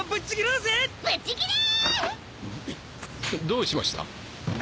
どうしました？